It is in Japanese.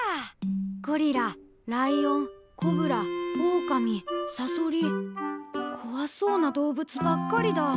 ゴリラライオンコブラオオカミサソリこわそうな動物ばっかりだ。